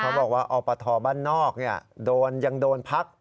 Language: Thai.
เขาบอกว่าอปฐบ้านนอกเนี่ยยังโดนพัก